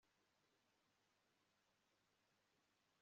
umukobwa muminsi ishize witwa karine